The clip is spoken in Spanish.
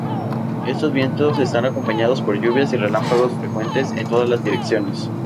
Estos vientos están acompañados por lluvias y relámpagos frecuentes en todas las direcciones.